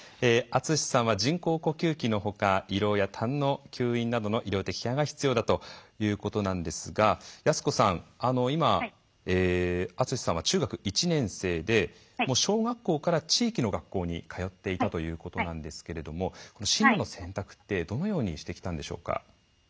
篤さんは人工呼吸器のほか胃ろうやたんの吸引などの医療的ケアが必要だということなんですが寧子さん今篤さんは中学１年生で小学校から地域の学校に通っていたということなんですけれども進路の選択ってどのようにしてきたんでしょうか。